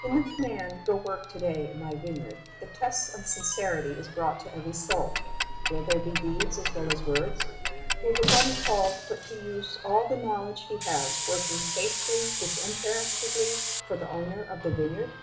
In the command, "Go work to day in My vineyard," the test of sincerity is brought to every soul. Will there be deeds as well as words? Will the one called put to use all the knowledge he has, working faithfully, disinterestedly, for the Owner of the vineyard?